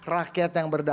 rakyat yang berdaulat